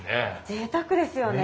ぜいたくですよね。